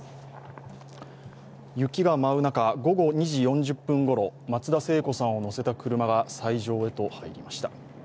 雪が舞う中、午後２時４０分ごろ、松田聖子さんを乗せた車が斎場へと入りました。